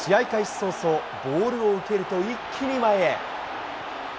早々、ボールを受けると、一気に前へ。